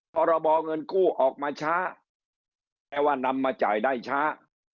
พรบเงินกู้ออกมาช้าแปลว่านำมาจ่ายได้ช้า